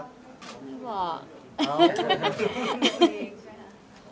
ไม่บอก